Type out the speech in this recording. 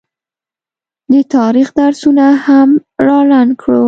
د تاریخ درسونه هم رالنډ کړو